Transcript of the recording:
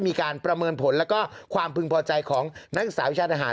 มีการประเมินผลแล้วก็ความพึงพอใจของนักศึกษาวิชาญอาหาร